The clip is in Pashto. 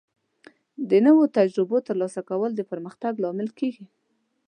د نوو تجربو ترلاسه کول د پرمختګ لامل کیږي.